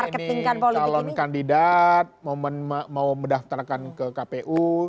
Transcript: jadi memang karena momen ini calon kandidat momen mau mendaftarkan ke kpu